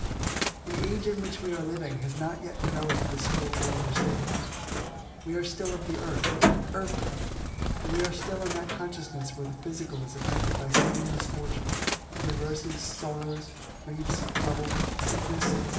The age in which we are living has not yet developed this spiritual understanding. We are still of the earth earthly and we are still in that consciousness where the physical is affected by seeming misfortunes, reverses, sorrows, griefs, trouble, sickness, etc.